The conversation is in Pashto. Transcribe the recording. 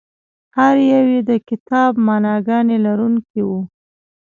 هر یو یې د یو کتاب معناګانې لرونکي وو.